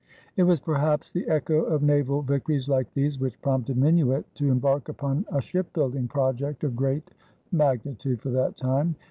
It was perhaps the echo of naval victories like these which prompted Minuit to embark upon a shipbuilding project of great magnitude for that time.